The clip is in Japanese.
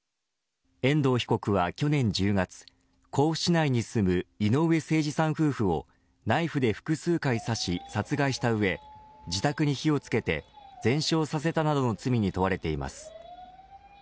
遠藤被告は去年１０月甲府市内に住む井上盛司さん夫婦をナイフで複数回刺し殺害した上自宅に火をつけて全焼させたなどの罪に問われています。